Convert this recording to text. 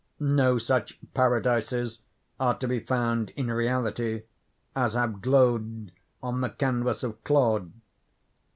No such paradises are to be found in reality as have glowed on the canvas of Claude.